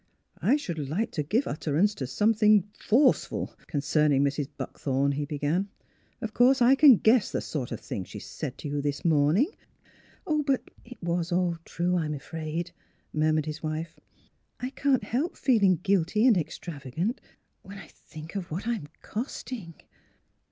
" I should like to give utterance to something er forceful concerning Mrs. Buckthorn," he began. " Of course I can guess the sort of thing she said to you this morning; but "" It was all true, I'm afraid," murmured his wife. " I can't help feeling guilty and extrava gant when I think of what I am costing."